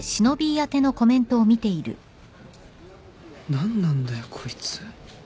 何なんだよこいつ。